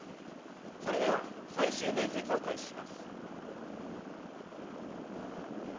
それでは最終面接を開始します